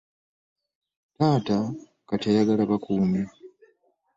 Taata kati ayagala bakuumi.